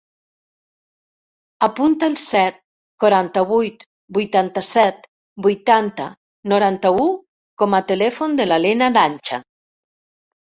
Apunta el set, quaranta-vuit, vuitanta-set, vuitanta, noranta-u com a telèfon de la Lena Lancha.